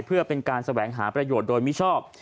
เพื่อเป็นการแสวงหาประโยชน์โดยมิชอบ